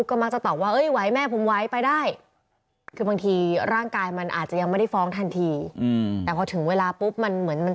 ก็เข้าลูกฝนน้ำก็เห็นในข้าวโบวัน